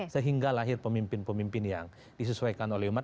sehingga lahir pemimpin pemimpin yang disesuaikan oleh umat